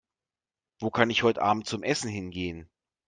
Wo kann ich heute Abend zum Essen hingehen?